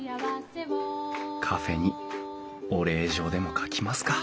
カフェにお礼状でも書きますか！